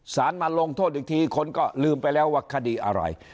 สารมาลงโทษอีกทีคนก็ลืมไปแล้วว่าคดีอะไร